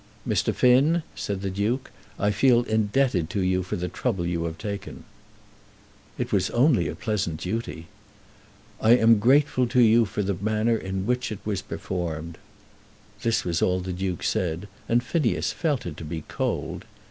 "Mr. Finn," said the Duke, "I feel indebted to you for the trouble you have taken." "It was only a pleasant duty." "I am grateful to you for the manner in which it was performed." This was all the Duke said, and Phineas felt it to be cold.